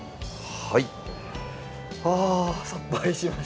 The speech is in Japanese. はい。